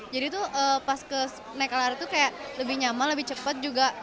jadi itu pas naik lrt tuh kayak lebih nyaman lebih cepet juga